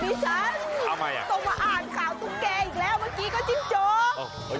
พี่ฉันต้องมาอ่านข่าวตุ๊กแก่อีกแล้วเมื่อกี้ก็จิ้มโจ๊ก